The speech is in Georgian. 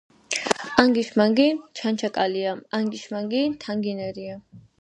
ანგიშ მანგი ჩანჩალაკია.ანგიშ მანგი თანგიენია